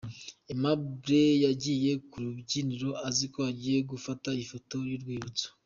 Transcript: Aimable yagiye ku rubyiniro aziko agiye gufata ifoto y'urwibutso.